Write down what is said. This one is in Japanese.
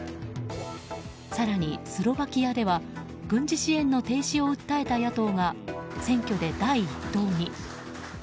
更に、スロバキアでは軍事支援の停止を訴えた野党が選挙で第１党に。